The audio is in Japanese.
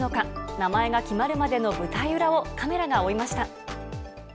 名前が決まるまでの舞台裏をカメラが追いました。